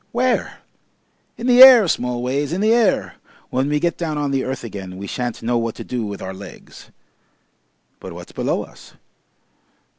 "Where?" "In the air, Smallways in the air! When we get down on the earth again we shan't know what to do with our legs." "But what's below us?"